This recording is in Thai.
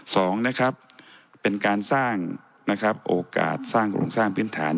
สองนะครับเป็นการสร้างนะครับโอกาสสร้างโครงสร้างพื้นฐาน